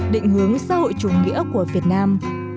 định hướng xã hội chủ nghĩa của việt nam